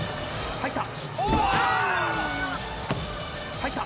入った。